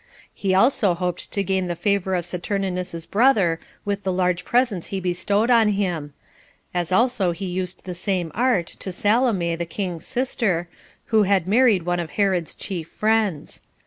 He also hoped to gain the favor of Saturninus's brother with the large presents he bestowed on him; as also he used the same art to [Salome] the king's sister, who had married one of Herod's chief friends.